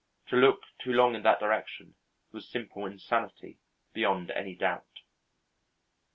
To look too long in that direction was simple insanity beyond any doubt.